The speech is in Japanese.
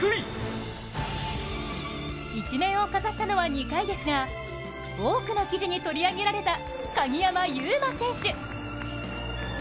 １面を飾ったのは２回ですが、多くの記事に取り上げられた鍵山優真選手。